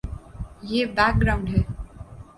یہ background ہے۔